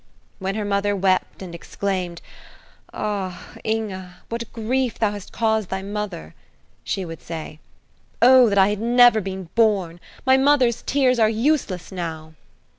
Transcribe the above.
When her mother wept and exclaimed, "Ah, Inge! what grief thou hast caused thy mother" she would say, "Oh that I had never been born! My mother's tears are useless now."